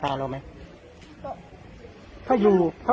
ไม่เห็นไม่เห็นไม่เห็น